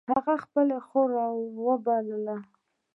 هغې خپله خور را و بلله